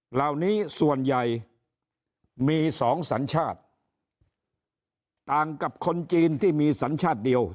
เหล่านี้ส่วนใหญ่มีสองสัญชาติต่างกับคนจีนที่มีสัญชาติเดียว